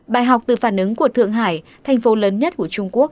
bài học từ phản ứng của thượng hải thành phố lớn nhất của trung quốc